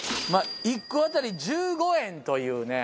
１個当たり１５円というね。